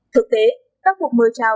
thực tế các cuộc mời trào